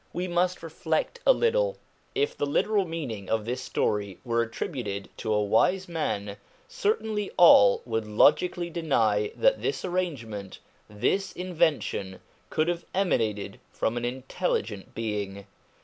We must reflect a little: if the literal meaning of this story were attributed to a wise man, certainly all would logically deny that this arrangement, this in vention, could have emanated from an intelligent being.